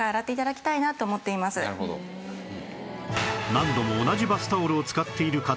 何度も同じバスタオルを使っている方